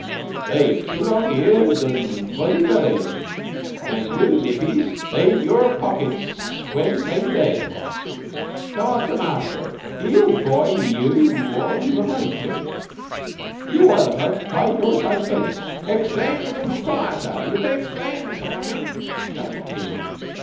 They've tu long ears an' vuzzy bellies, an' you nippies they in yeour pockets when they'm dead. Come on up to master! He'll boy yeou all you're a mind to. Yeou other folk bide your side fence." "Explain to the proprietor. You can explain, Sergeant," shouted King.